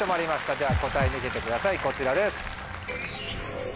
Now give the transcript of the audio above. では答え見せてくださいこちらです。